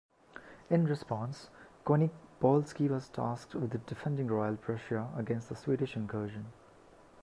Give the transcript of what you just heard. In response, Koniecpolski was tasked with defending Royal Prussia against the Swedish incursion.